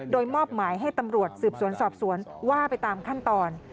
โดยมอบหมายให้ตำรวจสืบสวนสอบสวนว่าไปตามขั้นตอน